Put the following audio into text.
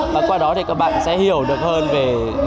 và qua đó thì các bạn sẽ hiểu được